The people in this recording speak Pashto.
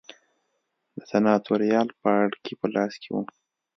د سناتوریال پاړکي په لاس کې و